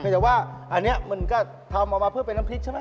แต่ว่าอันนี้มันก็ทำออกมาเพื่อเป็นน้ำพริกใช่ไหม